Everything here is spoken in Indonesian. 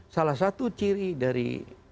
salah satu ciri dari